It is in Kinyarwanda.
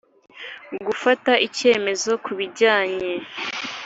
Gufata icyemezo ku bijyanye